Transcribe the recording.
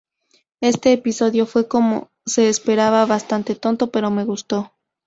Este episodio fue, como se esperaba, bastante tonto ¿Pero me gusto?